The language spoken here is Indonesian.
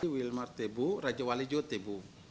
wilmar tebu raja wali juga tebu